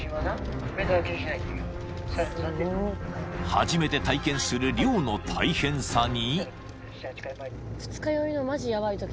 ［初めて体験する漁の大変さに］